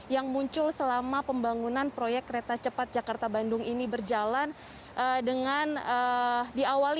yang muncul selama pembangunan proyek kereta cepat jakarta bandung ini berjalan dengan diawali